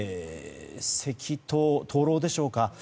石塔、灯籠でしょうか